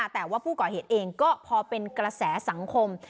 แต่ว่าผู้ก่อเหตุเองก็พอเป็นกระแสสังคม